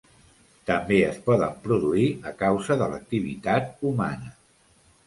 També es poden produir a causa de l'activitat humana.